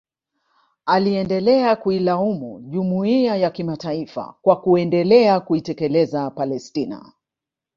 Aliendelea kuilaumu Jumuiya ya kimataifa kwa kuendelea kuitelekeza Palestina